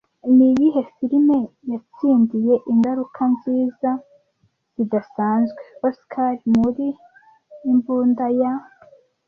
Niyihe firime yatsindiye ingaruka nziza zidasanzwe Oscar muri Imbunda ya